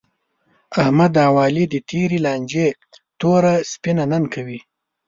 احمد او علي د تېرې لانجې توره سپینه نن کوي.